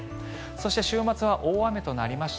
そして週末は大雨となりました。